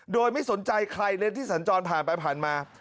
โดยไม่สนใจใครเลยที่สัญจรผ่านไปผ่านมา